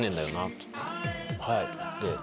「はい」。